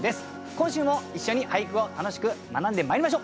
今週も一緒に俳句を楽しく学んでまいりましょう。